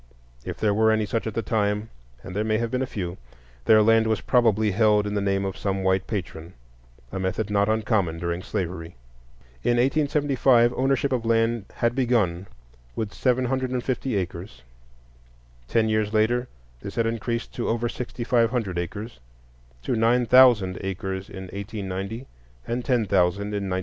If there were any such at that time,—and there may have been a few,—their land was probably held in the name of some white patron,—a method not uncommon during slavery. In 1875 ownership of land had begun with seven hundred and fifty acres; ten years later this had increased to over sixty five hundred acres, to nine thousand acres in 1890 and ten thousand in 1900.